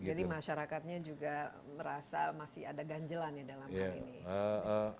jadi masyarakatnya juga merasa masih ada ganjelan ya dalam hal ini